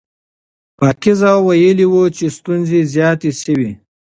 پاکیزه ویلي وو چې ستونزې زیاتې شوې.